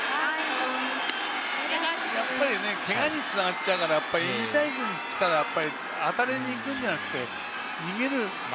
けがにつながっちゃうからインサイドに来たら当たりに行くんじゃなくて逃げる。